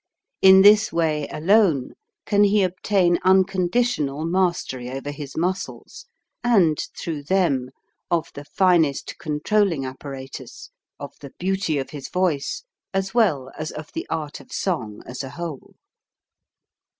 In this way alone can he obtain unconditional mastery over his muscles, and, through them, of the finest controlling apparatus, of the beauty of his voice, as well as of the art of song as a whole.